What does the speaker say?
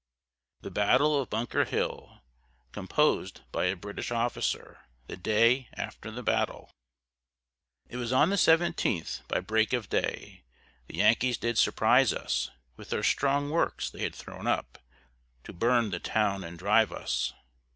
THE BATTLE OF BUNKER HILL COMPOSED BY A BRITISH OFFICER, THE DAY AFTER THE BATTLE It was on the seventeenth, by break of day, The Yankees did surprise us, With their strong works they had thrown up To burn the town and drive us.